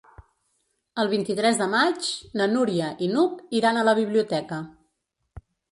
El vint-i-tres de maig na Núria i n'Hug iran a la biblioteca.